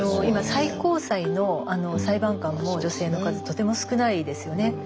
今最高裁の裁判官も女性の数とても少ないですよね。